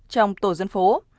trong tổ dân phố